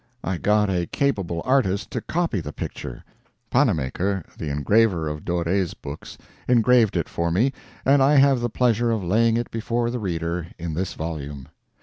I got a capable artist to copy the picture; Pannemaker, the engraver of Doré's books, engraved it for me, and I have the pleasure of laying it before the reader in this volume.